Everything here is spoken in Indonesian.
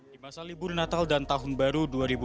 di masa libur natal dan tahun baru dua ribu dua puluh